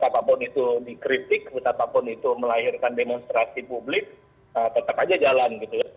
apapun itu dikritik betapapun itu melahirkan demonstrasi publik tetap aja jalan gitu ya